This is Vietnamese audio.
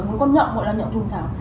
một con nhậu gọi là nhậu trùng thảo